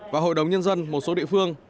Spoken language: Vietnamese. và hội đồng nhân dân một số địa phương